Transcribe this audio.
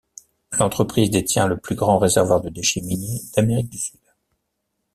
L'entreprise détient le plus grand réservoir de déchets miniers d’Amérique du Sud.